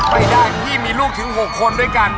ไปได้พี่มีลูกถึง๖คนด้วยกัน